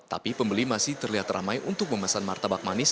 tapi pembeli masih terlihat ramai untuk memesan martabak manis